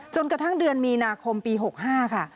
จนกระทั่งเดือนมีนาคมปี๖๕ค่ะ